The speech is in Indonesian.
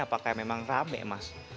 apakah memang rame mas